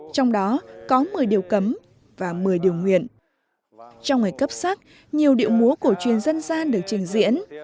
trong ngày cấp sắc nhiều điệu múa của truyền dân gian được trình diễn